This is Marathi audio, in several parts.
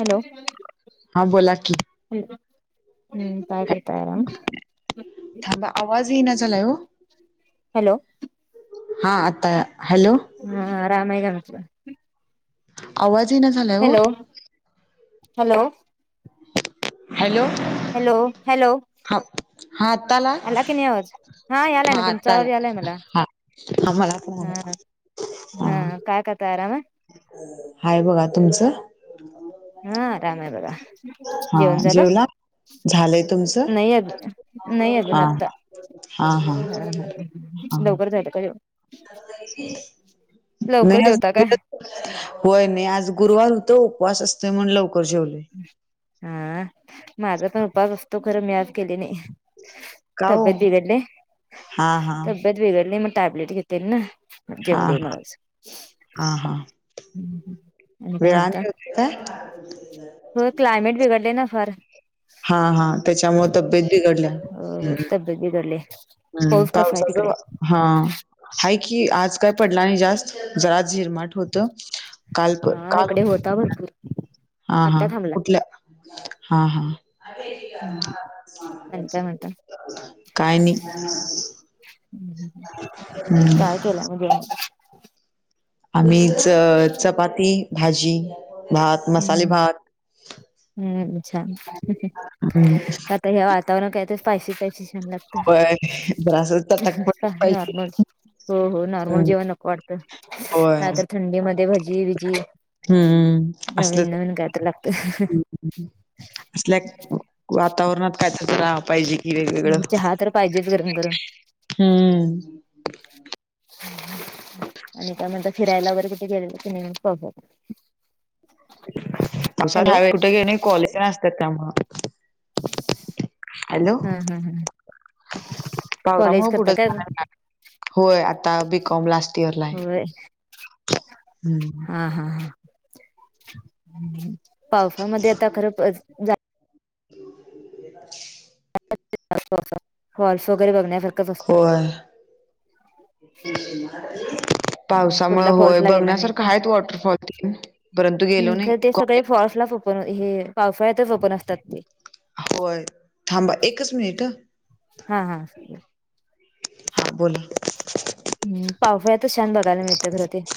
हॅलो हा बोला की हम्म काय कर थांबा. आवाज येईना झालाय वो. हॅलो. हा आता, हॅलो. हा आराम हाय घरातलं. आवाज येइना झाला. Hello. Hello. Hello. Hello, hello. हा हा आता आला? की नाही आवाज यालाय ना हा तुमचा आता आवाज आला. यालाय मला हा. आम्हाला पण हा आले. [inaudible] हा काय करता? आराम. हाय बघा तुमचं. हा आराम आहे बघा. हा जेवण झालं? जेवला झालंय तुमचं नही अजून. नाही अजून हा आता. हा हा हा लवकर झायल का जेव [unintelligible] लवकर नाही जेवता अजून काय ईडच होय मी आज गुरुवार होतो. उपवास असतोय म्हणून लवकर जेवलोय. हा माझा पण उपास असतो खरं. मी आज केले नाही. का ओ त्बतले बिघडली. हा हा तब्येत बीगडले म टॅबलेट घेते ना. हा जेवले हा म आज. [unintelligible] वेळा आपले होते का? - [unintelligible] होय क्लायमेट बिघडले ना फार. हा... हा... त्याच्यामुळे तब्येत बिघडल्या. [inaudible] बगले हम्म... पावसाच हा... आहे की, आज काय पडला नाही जास्त जरा झिरमाट होत. काल.. हा काल [unintelligible] हा... हा... आत्ता थांबला कुठल्या हा... हा आणि काय म्हणता काय नाही हं. काय केलं आम्ही च चपाती भाजी भात, मसाले हम्म.. भात. हम्म.. छान हं. हे वातावरण काय तर पायशी, पायाशी, छान लागत होय. जरासं चटकपटक [unintelligible] पाहिजे. नॉर्मल हों हों [unintelligible] नॉर्मल हं. जेवण अपार्टमेंट [inaudible] होय. काय तरं. - थंडी मध्यें अ.. भजीई... गीजीई.. - अहम्मं्...... - नवीन नवीन कायतर लागतं. - असल्याक वातावरणात कायच [unintelligible] च रा पाहिजे. - वेगवेगळं चहा तर पाहिजेच गरम गरम [inaudible] हम्म आणि, त्या म्हणत फिरायला वगैरे किठे गेले. तर तेन पळतात [unintelligible] हॅलो तसाटोयक्ट घेणे कॉलेजला असतातकांमग. - [unintelligible] हम्ं हम्ं हम्ं. - [unintelligible] कॉलेज पावसामुळे करता कुठं कायं? अजून. - होय, अ.. आतां बी. कॉम ला. असते. होंय [unintelligible] [unintelligible] हम्म हां हां हांआ. - [unintelligible] पावसामध्ये आता घर ब झा. - [unintelligible] फॉल्स वगैरे बघण्यासाठी. - होयं. [unintelligible] - [unintelligible] पावसामुळे कुठला वौय फॉल्स ला गेला नाही बघण्यासारखं का? आहे. वॉटरफॉल त परंतु गेलो नां कॉनी. - पण. हे पावसाळ्यांतच ओपन असतात. ते कीं. - [unintelligible] होयं. थांबा एकचं मिनिट. अ.... - हां... अ. हां.... अ. - [unintelligible] हां अ बौल. - हम्... पावसाळ्यात त छान बघायला मिळतं. खरं ते. -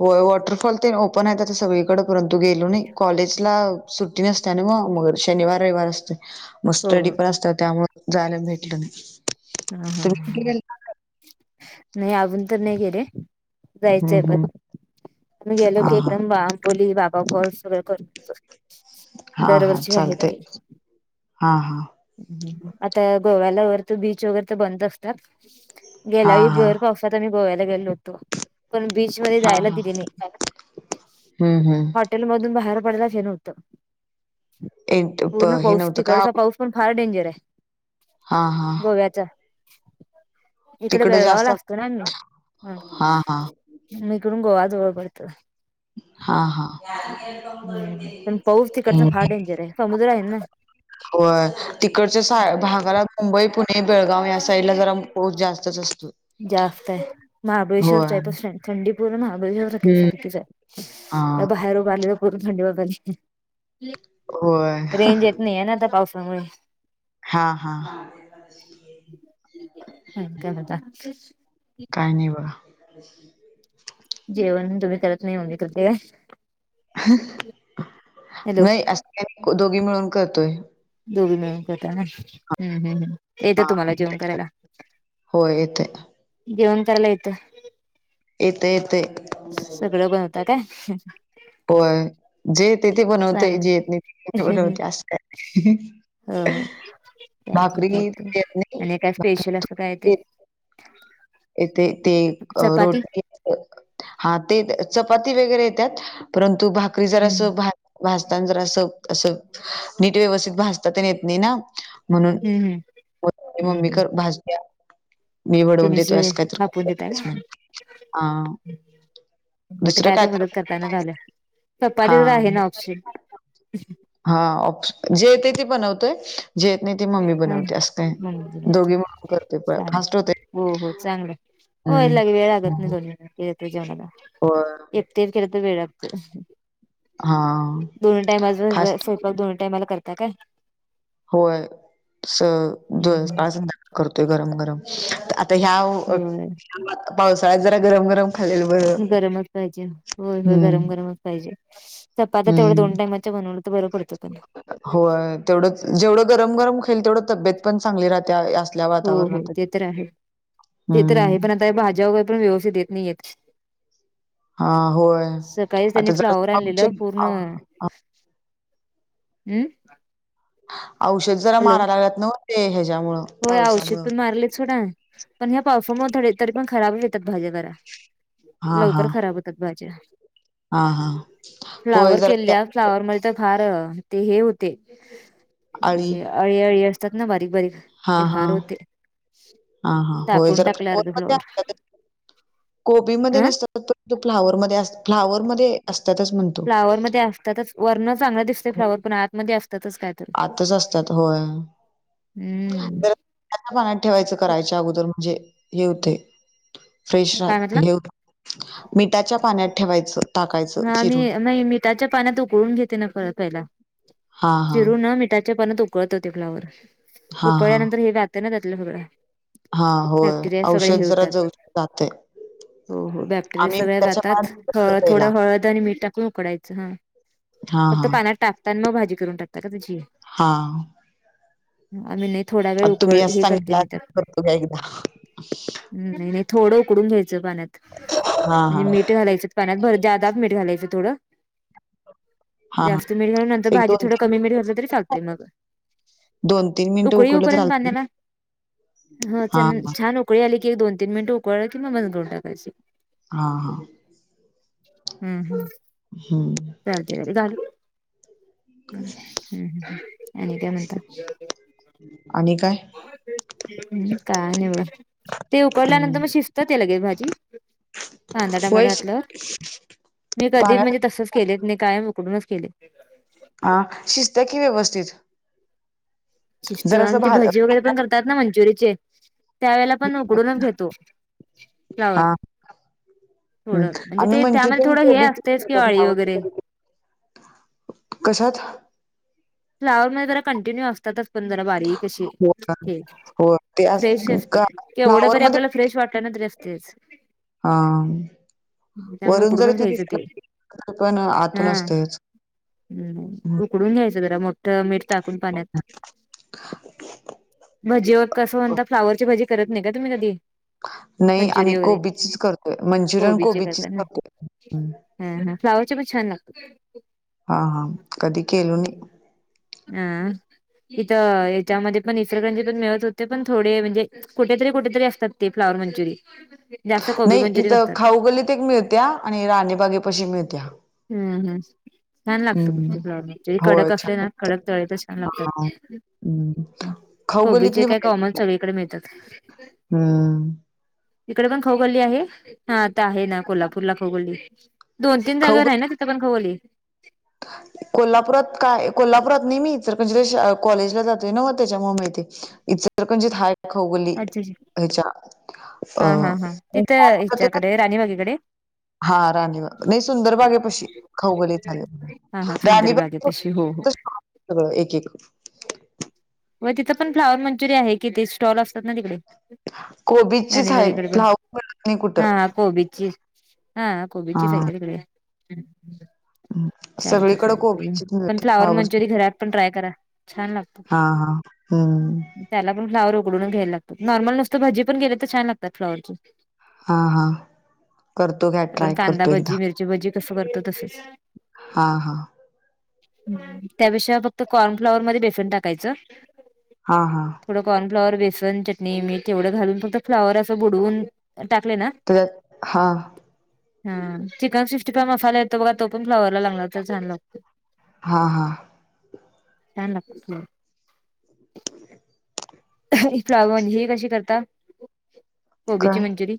होयं, वॉटरफॉल ते ओपन आहे. आता सगळीकडे परंतु गेलो नाही कॉलेजला सुट्टी नसते आणि मगं- मग शनिवार रविवार असते. मग हो स्टर्डी हो पण असत. त्यामुळं - जायला भेटले नाही. - हां... हा... ह.. नाही. अजून तर्ं नाही गेले, हम्म जायचंय हम्म पणं. आणि गेलो हा की हा एकदमं, बांबोलीअ बाबा फॉल्स सगळ करून. - हा हा दरवर्षी आहेत चालतंय तें. हा हा - आता गोव्याला वरत बीच, वगैरे बंद असतात. - हा गेल्या वेळी, हा भर पावसात आम्ही गोव्याला गेलो होतो. पण, बीचमध्ये जायला दिले नाही. - [unintelligible] हम्म्ं हम्म्ं. - हृयलूमधून [inaudible] बाहेर पडच हे [inaudible] एक पूर्ण हे पाऊस नव्हतं का तिकडचा पाऊस. - पणं फार् डेंजर आहे. हा हा गोव्याचा. - ईकडे तिकडं जास्त बेळगावला असतो ना. आ हा हा [inaudible] इकडून गोवा जवळ पडतो. - हां हां. [unintelligible] हम्म पण पाऊस तिकडचा फार डेंजर आहे समुद्र हाय ना? होय तिकडच्या सा भागाला मुंबई, पुणे, बेळगांव या साईडला जरा पाऊस जास्तचं असतो. जास्ताय. महाबळेश्वर होय टाईप चाय थंडी पूर्ण महाबळेश्वरं [unintelligible] हम्म सारखीचाय. हा त्या बाहेर उभ रहोल्या करू थंडी वाजाली. होय रेंज येत नाही आहे नां आता पावसामुळे. [inaudible] हा हा आणि काय म्हणता? काई नाही बघा. जेवणं तुम्ही करत नाही ममी करते काय? हॅलो नाही असतेत दोघी मिळून करतोय. दोघी मिळून करता काय? हम्म हम्म हमम् हा [unintelligible] होय येतोय. जेवण करायला येतं. येतय -येतय. सगळं बनवता कायं? होय जे येतय ते बनवतय. चांगलं जे येत नही बनवते अस काय ह ह चालतयं भाकरी चालतयं. येत नाही आणि काय स्पेशलं असं काय येतय? येतय ते अ रोटी येत हा ते चपाती वगैरे येतात परंतु भाकरी जरा हम्म असं भा भाजताना जरा अस असं नीट व्यवस्थित भाजता तेन येत नाही ना? म्हणून हम्म [unintelligible] हम्म मम्मी हम्म खर भाजत्या. मी वडवून तुम्हीच देतो असं काही थापून देताय का तर [unintelligible] हा. बट काय तर मदत करताय ना झालं. सप्पाची तर आहे ना ऑप्शन? हा ऑप्श जे येते ते बनवतोय. जे येत नाही ते मम्मी ह बनवत्या. असं काय म्हणून दोघी मिळून करतोय परत चांग फास्ट होतय. हो हो चांगलाय होय लगे वेळ लागत नाही हं. दोन मिंट जेवणाला होय एकट्यान केल तर वेळ लागतोय. हां दोन्ही टाईमाच फास्ट स्वयंपाक दोन टाईमाला करता काय? होय स द हम्म हम्म. सकाळ -संध्याकाळ करतोय गरम -गरम आता ह्या उ होय पावसाळ्यात जरा गरम गरम खालेल गरमच पाहिजेल. होय होय गरम हम्म गरमच पाहिजे. चपात्या तेवढ्या हम्म. दोन टाइमा च्या बनवल्या तर बर पडतात आणि. होय तेवढंच जेवढं गरम गरम खईल तेवढं तब्येत पण चांगली राहत्या अस हो हो ते तर आहे ते तर आहे हम्म. पण आता भाज्या वगैर पण व्यवस्थित येत नाही येत. हा होय सकाळीच त्यांनी आता जरा फ्लॉवर आणलेलं औषध पूर्ण औ औ अम्म औषध जरा मारा लागल्यात नव्ह ते ह्याच्यामुळं. होय औषध पावसामुळं. पण मारलेच सोडा पण ह्या पावसामुळ थोड्या तरी पण खराब येतात भाज्या जरा. हा हा लवकर खराब होत्यात भाज्या. हा हा. होय फ्लावर जरा त्या केल्या फ्लावर मध्ये तर फार ते हे होते. आळी. म्हणजे अळी -अळी असतात ना बारीक -बारीक. हा ते हा फार होते हा हा होय टाकून जरा टाकले [unintelligible] अर्ध फ्लॉवर अणत्यात ग. कोबीमध्ये अ नसतात. पर फ्लावर मधे असतात. फ्लावर मध्ये असतातच म्हण.. फ्लावर मध्ये असतातच वरण चांगलं दिसतय फ्लावर पण आतमध्ये असतातच काय तर आतच असतात होय. हम्म. त्या त्या [unintelligible] त ठेवायचं करायच्या अगोदर म्हणजे हे होतय. फ्रेश काय म्हटला राह [unintelligible] मिठाच्या पाण्यात ठेवायचं. टाकायचं हानी चिरून नाही मिठाच्या पाण्यात उकळून घेते ना प पहिला. हा हा चिरून मिठाच्या पाण्यात उकळत ते फ्लावर, हा हा उकळल्यानंतर हे जाते ना त्यातलं सगळं. हा होय बॅक्टेरिया सगळे औषध हे जरा होतात जऊ जातय. हो हो बॅक्टेरिया आम्ही सगळ्या मिठाच्या जतात पाण्यात करतोय हळद पहिला थोडं हळद आणि मीठ टाकून उकडायचं हा. हा फक्त हा पाण्यात टाकता आणि मग भाजी करून टाकता का त्याची. हा. आम्ही नाही थोड्या वेळ आता तुम्ही उकड असं हे करते सांगितला मी तर करतो का एकदा नाही नाही थोडं उकडून घ्यायचं पाण्यात हा हा म्हणजे मीठ घालायचं पाण्यात भर ज्यादाच मिठ घालायचं थोडं. हा हा जास्त मिठ घाल नंतर एक भाजी दोन थोडं तीन कमी मिठ घातल तरी चालतंय मग. दोन तीन मिनिटं उकळी येऊ उकडलं तर पर्यंत चालते पाण्याला. हा हा उकळी आली की एक दोन तीन मिनिट उकळ कि मग बंद करून टाकायच. हा हा. हम्म हम्म. हम्म. चालते [unintelligible] आणि काय म्हणता. आणि काय? हम् काय नाही ब, ते हम्म उकडल्यानंतर मग शिजत ते लगे भाजी. कांदा होय टोमॅटो घातल्यावर, मी कधी म्हणजे पाण्यात तसच केलेत नाही कायम उकडूनच केले. आ शिजत्या की व्यवस्थित. शिस्त जर असं आणि ते भा भजी वगैरे पण करतात ना मंचूरिचे. त्यावेळेला पण उकडूनच घेतो, फ्लॉवर. हा हम्म थोडं म्हणजे आम्ही ते त्यामध्ये मंचुरियन थोडं हे कोबी असतयच कि [unintelligible] वगैरे. कशात? फ्लॉवर मध्ये जरा कंटिन्यू असतातच पण जरा बारीक अशे, हो का? ते. हो ते अस- फ्रेश असत का- केवढं फ्लावर जरी मध्ये आपल्याला फ्रेश वाटलं ना तरी असतेच. हा त्यामुळे वरून जरी उकडूनच ते दि घ्यायचं [unintelligible] पण आतून हा असतेच. हम्म, उकडून घ्यायचं जरा मग. मीठ टाकून पाण्यात, भजीवर कस म्हणता फ्लॉवर ची भजी. करत नाही का तुम्ही कधी. नाही आम्ही मंचुरी वगैरे कोबीचीच करतोय मंचुरियन कोबीचीच करतोय. हम हम फ्लॉवर चे पण छान लागते. हा हा कधी केलो नाही. आ इथं याच्यामध्ये पण इचलकरंजी पण मिळत होते पण थोडे म्हणजे कुठेतरी कुठेतरी असतात ते फ्लॉवर मंचुरि. नाही इथं खाऊ गल्लीत एक मिळत्या आणि राणी बागेपाशी मिळत्या. हम् हम, छान लागतं पण तो हम्म फ्लॉवर मंचुरी होय कडक असते छान ना लागते कडक त [unintelligible] छान हा लागतात. हम्म खाऊ कोबीचे गल्लीतली काय कॉमन भा सगळीकडे मिळतात [unintelligible] हम्म. इकडे पण खाऊ गल्ली आहे. हा आता आहे ना कोल्हापूरला खाऊ गल्ली, दोन तीन जागा आहे खाऊगली ना तिथं पण खाऊ गल्ली. कोल्हापुरात काय कोल्हापुरात नाही मी तर इचलकरंजीला शा कॉलेजला जातोय ना मग त्याच्यामुळे माहिती इचलकरंजीत हाय खाऊ गल्लीत अच्छा अच्छा. ह्याच्या अ... हा हा हा तिथं [inaudible] हिच्याकडे राणीबागेकडे. हा राणीबाग नाही सुंदर बागेपशी खाऊ गल्लीत झाले. हा हा सुंदर बागे पाशी हो हो सगळं एक एक व तिथं पण फ्लावर मंचुरिइ आहे कि ते स्टॉल असतात ना तिकडे कोबीचीच आहे राणीबागेकडं पण फ्लावर मिळत नाही कुठं हा कोबीची हा हा कोबीचीच हाय का तिकडे चालत सगळीकडे चालते कोबीचीच पण मिळते फ्लावर मंचुरीय घरात पण ट्राय करा छान लागत. हांम्म त्याला पण फ्लावर उकडून घ्यायला लागतो नॉर्मल नुसतं भाजी पण गेली तर छान लागतात फ्लावरचे हा हा करतो घ्या आपण ट्राय कांदा करतो भजी एकदा. मिरची भजी कसं करतो तसंच हा हा हम्म त्याशिवाय फक्त कॉर्नफ्लावर मध्ये बेसन टाकायचं हा हा थोड कॉर्नफ्लॉवर बेसन चटणी मीठ तेवढं घालून फक्त फ्लाॅवर असं बुडवून टाकले ना. त्याच्यात हा हा चिकन सिक्टी फाय मसाला येतो बघा तो पण फ्लाॅवरला लावला तर छान लागतो. हा हा छान लागतं हां [unintelligible] ही फ्लाॅवर अन् ही कशी करता गोबीची काय मंचुरी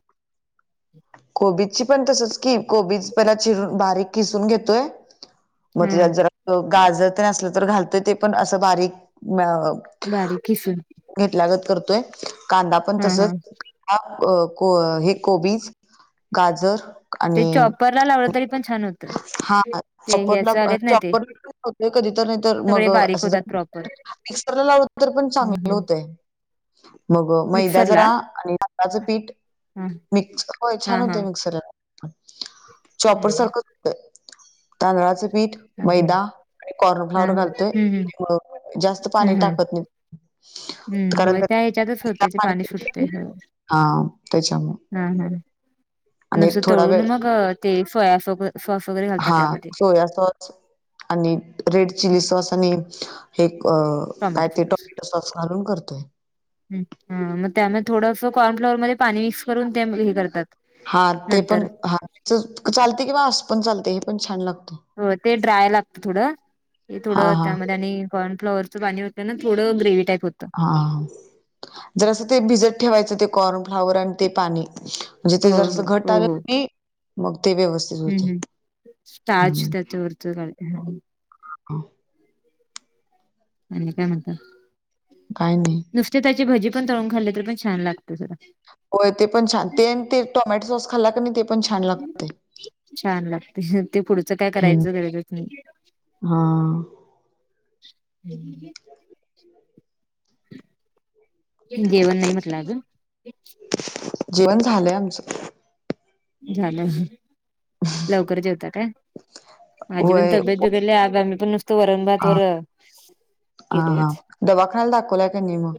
कोबीची पण तसंच की कोबीज परत शिजवून बारीक किसून घेतोय. मग हम त्यात जर गाजर तर असलं तर घालतं ते पण असं बारीक [inaudible] बारीक किसून घेतल्यागत करतोय कांदा पण हा हा तसचं आ अन् को हे कोबीज गाजर आणि ते चॉपरला लावलं तरी पण छान होतं हा [inaudible] ते ह्याच आलेत ना ते चाॅपर तय कधी तर नाही तर मग सगळे बारीक असं होतात जर प्रॉपर मिक्सरला लावत तरी पण हम्म चांगलं हम्म होतय मग मैदा मिक्सरला जरा आणि गव्हाचं पीठ हा मिक्सय छान हा हा होते मग. हा चॉपर सारख कुठं हे तांदळाच पीठ हा मैदा आणि कॉर्नफ्लाॉवर घालतोय हम्म मग जास्त पाणी हम्म टाकत नाही. हम्म कारण होय त्या ह्याच्यातचं त्याला होतं ते पाणी सुटतंय सुटतय ना. हो हा त्याच्यामुळे हा ह आणि एक नुसत थोडा तळून वेळ मग ते सोयास सॉस वगैरे घालतात हा त्यामध्ये सोया सॉस आणि रेड चिली सॉस आणि हे क काय टोमॅटो ते टोमॅटो सॉस घालून करतोय. हम्म हं मग त्यामध्ये थोडंस कॉर्न फ्लॉवररमध्ये पाणी मिक्स करून त्या हे करतात. हा ते पण नंतर हा चालते किंवा आस पण चालते हे पण छान लागते. हो ते ड्राय लागत थोडं ते हा थोडं हा त्यामध्ये आणि कॉनफ्लॉवरचं पाणी होतं ना थोडं ग्रेवी टाईप होतं. हा जसं ते भिजत ठेवायचं ते कॉर्नफ्लावर अन् ते पाणी म्हणजे ते हो हो जरासं घट हो आलं हो की मग ते व्यवस्थित हम्म होते हम्म स्टॅच त्याच बरत ह [inaudible] हो आणि काय म्हणता. काही नाही. नुसते त्याची भजी पण तळून खाल्ले तर पण छान लागत जरा. होय ते पण छान ते ते टोमॅटो सॉस खाल्ला का ते. पण छान लागते छान लागते ते पुढचं काय हम्म करायचं गरजच नाही. हा हम् जेवण नाही म्हटलं अजून. अ जेवण झालंय आमचं. झालं लवकर जेवता काय? माझी पण होय तब्येत बीघडल्या आज आम्ही पण नुसतं वरंण भात हा वर.... हा हा केलंच दवाखान्याला दाखवला काय नाही मग.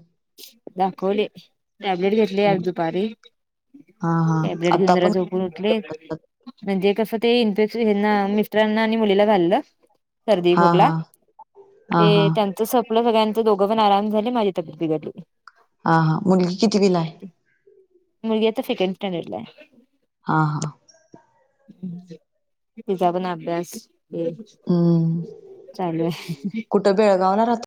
दाखवले टॅब्लेट घेतले दुपारी हा हा टॅब्लेट घेऊन आता जरा पण झो... उठले म्हणजे कसं ते इन्फेक्शन मिस्ट्रांना आणि मुलीला झालेलं. सर्दी हा खोकला हा हा ते हा त्यां.... संपलं बघा ति दोघंपण आराम झाले माझी तब्येत बिघडल. हा हा मुलगी कितीवीला आहे. मुलगी आता सेकन्ड स्टँडरला आहे. हा हा तिचा पण अभ्यास ये. चालू आहे. कुठ बेळगावला राहता